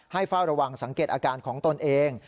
เฝ้าระวังสังเกตอาการของตนเอง